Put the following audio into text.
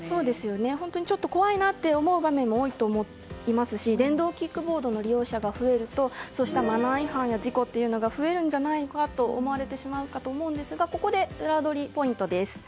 本当にちょっと怖いなと思う場面も多いと思いますし電動キックボードの利用者が増えるとそうしたマナー違反や事故が増えるのではと思われてしまうかと思うんですがここでウラどりポイントです。